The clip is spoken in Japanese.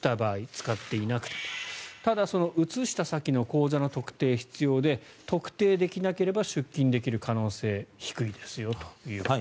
使っていないただ、その移した先の口座の特定が必要で特定できなければ出金できる可能性低いですよと。